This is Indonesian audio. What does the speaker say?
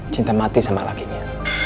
cinta mati sama lakinya